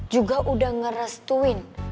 juga udah ngerestuin